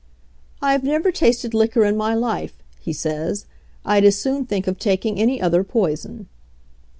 "I have never tasted liquor in my life," he says. "I'd as soon think of taking any other poison."